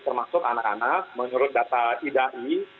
termasuk anak anak menurut data idai